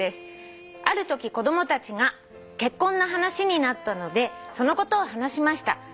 「あるとき子供たちが結婚の話になったのでそのことを話しました」